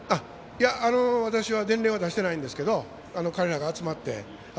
私は伝令は出してないんですが彼らが集まって。